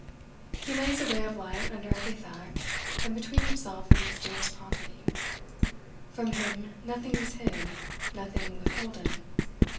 He lays a ray of light under every fact, and between himself and his dearest property. From him nothing was hid, nothing withholden.